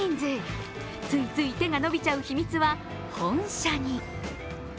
ついつい手が伸びちゃう秘密は本社に。